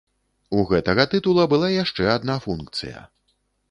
У гэтага тытула была яшчэ адна функцыя.